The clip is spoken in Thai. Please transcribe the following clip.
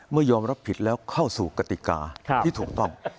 ยอมรับผิดแล้วเข้าสู่กติกาที่ถูกต้อง